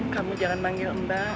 kamu jangan manggil mbak